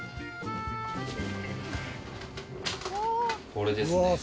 これですね。